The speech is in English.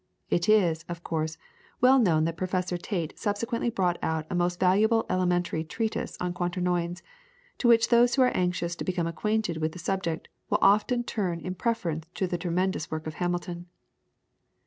It is, of course, well known that Professor Tait subsequently brought out a most valuable elementary treatise on Quaternions, to which those who are anxious to become acquainted with the subject will often turn in preference to the tremendous work of Hamilton.